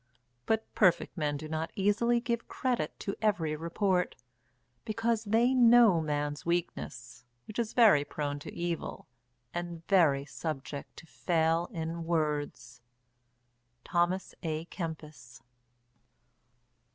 But perfect men do not easily give credit to every report; because they know man's weakness, which is very prone to evil, and very subject to fail in words. THOMAS A KEMPIS.